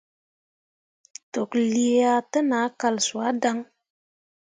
Toklǝǝah te nah kal suah dan.